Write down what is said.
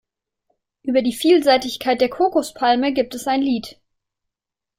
Über die Vielseitigkeit der Kokospalme gibt es ein Lied.